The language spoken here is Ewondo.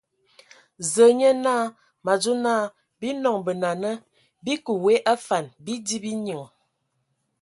Zǝa nye naa mǝ adzo naa, bii nɔŋ benana, bii kǝ w a afan, bii di, bii nyinŋ!